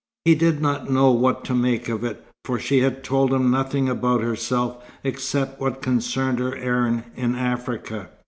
He did not know what to make of it, for she had told him nothing about herself, except what concerned her errand in Africa.